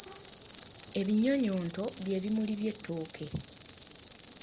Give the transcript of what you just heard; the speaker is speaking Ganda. Ebinyonyonto bye bimuli by’ettooke.